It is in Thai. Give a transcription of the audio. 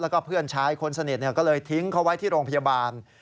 แล้วก็เพื่อนชายคนสนิทก็เลยทิ้งเขาไว้ที่โรงพยาบาล